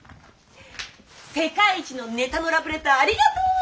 世界一のネタのラブレターありがとう！